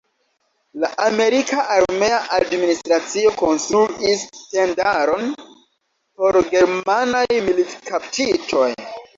La amerika armea administracio konstruis tendaron por germanaj militkaptitoj.